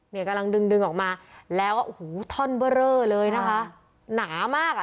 เนี่ยกำลังดึงดึงออกมาแล้วโอ้โหท่อนเบอร์เรอเลยนะคะหนามากอ่ะ